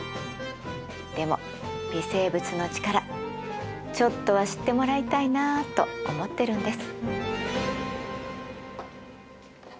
でも微生物の力ちょっとは知ってもらいたいなと思ってるんです。